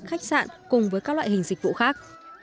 khách sạn cùng với các loại hình dịch vụ khác